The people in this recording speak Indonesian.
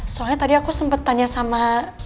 soalnya tadi aku sempat tanya sama